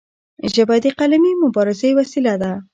ژبه د قلمي مبارزې وسیله ده.